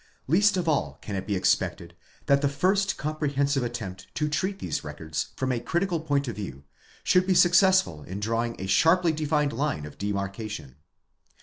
Least of all can it be expected that the first comprehensive attempt to treat these records from a critical point of view should be successful in drawing a sharply defined line of demarcation.